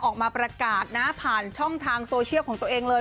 ออกมาประกาศนะผ่านช่องทางโซเชียลของตัวเองเลย